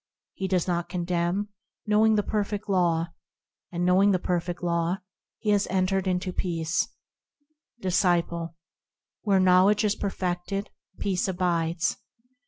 He does not condemn, knowing the Perfect Law, And knowing the Perfect Law, he has entered into peace, Disciple. Where knowledge is perfected, peace abides.